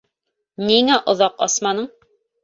— Ниңә оҙаҡ асманың?